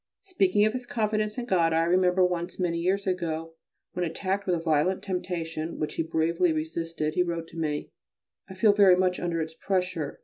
Speaking of this confidence in God, I remember once many years ago, when attacked with a violent temptation, which he bravely resisted, he wrote to me: "I feel very much under its pressure.